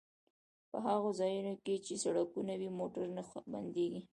په هغو ځایونو کې چې سړکونه وي موټر نه بندیږي